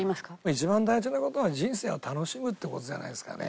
一番大事な事は人生を楽しむって事じゃないですかね。